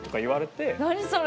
何それ？